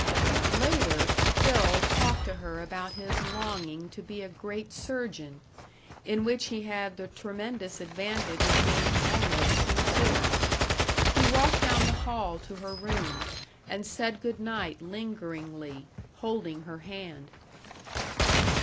Later, Phil talked to her about his longing to be a great surgeon in which he had the tremendous advantage of being almost sincere. He walked down the hall to her room, and said good night lingeringly, holding her hand.